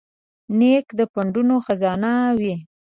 نیکه د پندونو خزانه وي.